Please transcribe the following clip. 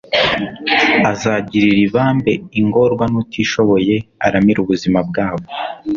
azagirira ibambe ingorwa n'utishoboye, aramire ubuzima bwabo